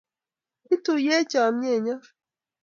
Ituiyech chomyet nyoo